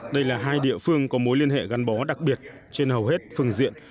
đây là hai địa phương có mối liên hệ gắn bó đặc biệt trên hầu hết phương diện